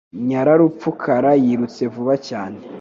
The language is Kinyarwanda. Nyararupfakara yirutse vuba cyane